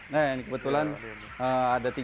nah ini kebetulan ada tiga ekor nih